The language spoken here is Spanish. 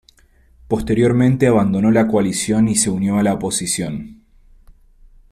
Posteriormente abandonó la coalición y se unió a la oposición.